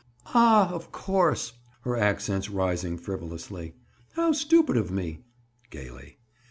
"Ah, of course!" Her accents rising frivolously. "How stupid of me!" Gaily.